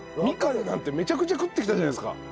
みかんなんてめちゃくちゃ食ってきたじゃないですか。